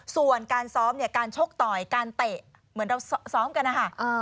ส่วนการซ้อมเนี่ยการชกต่อยการเตะเหมือนเราซ้อมกันนะคะ